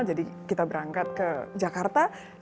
kita berangkat ke jakarta